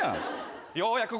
ようやく。